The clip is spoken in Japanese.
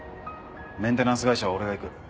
メンテナンス会社は俺が行く。